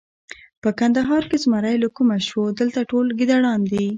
په کندهار کې زمری له کومه شو! دلته ټول ګیدړان دي.